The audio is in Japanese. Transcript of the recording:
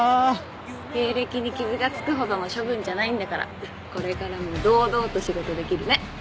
経歴に傷がつくほどの処分じゃないんだからこれからも堂々と仕事できるね。